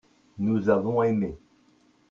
nous avons aimé.